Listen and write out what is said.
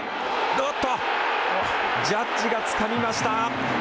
おっとジャッジがつかみました。